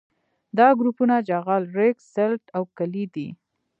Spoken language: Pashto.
دا ګروپونه جغل ریګ سلټ او کلې دي